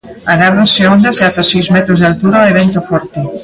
Agárdanse ondas de ata seis metros de altura e vento forte.